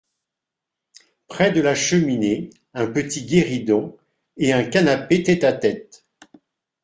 Près de la cheminée un petit guéridon et un canapé tête-à-tête.